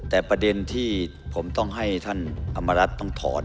แต่ประเด็นที่ผมต้องให้ท่านอำมารัฐต้องถอน